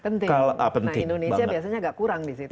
nah indonesia biasanya agak kurang di situ